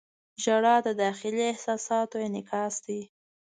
• ژړا د داخلي احساساتو انعکاس دی.